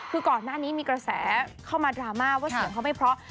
คือก่อนหน้านี้มีกระแสเข้ามาดราม่าว่าเสียงเขาไม่เพราะ